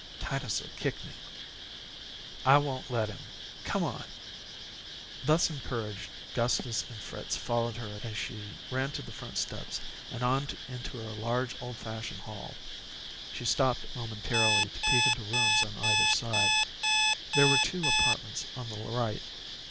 "Titus 'll kick me." "I won't let him. Come on." Thus encouraged, Gustus and Fritz followed her as she ran to the front steps, and on into a large old fashioned hall. She stopped, momentarily, to peek into rooms on either side. There were two apartments on the right.